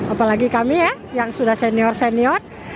apalagi kami ya yang sudah senior senior